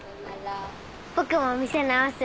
僕もお店直す。